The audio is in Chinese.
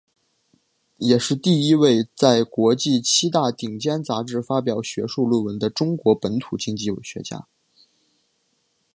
也是第一位在国际七大顶尖杂志发表学术论文的中国本土经济学家。